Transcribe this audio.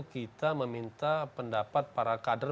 kita meminta pendapat para kader